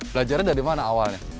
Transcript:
belajarnya dari mana awalnya